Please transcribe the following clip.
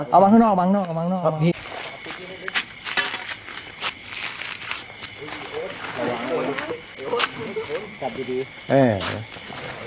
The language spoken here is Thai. เอาบ้างข้างนอกเอาบ้างข้างนอก